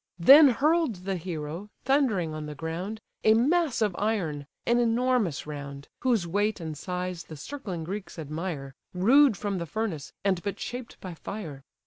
Then hurl'd the hero, thundering on the ground, A mass of iron (an enormous round), Whose weight and size the circling Greeks admire, Rude from the furnace, and but shaped by fire.